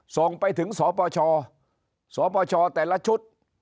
ส่งไปถึงสปชสปชแต่ละชุด